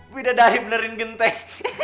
beda dari benerin genteng